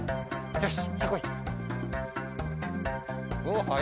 よし！